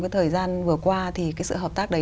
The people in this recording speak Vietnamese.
cái thời gian vừa qua thì cái sự hợp tác đấy